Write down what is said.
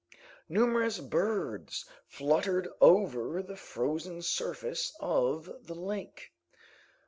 Numerous birds fluttered over the frozen surface of the lake.